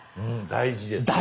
大事です！